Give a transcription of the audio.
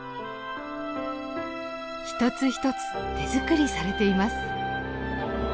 一つ一つ手作りされています。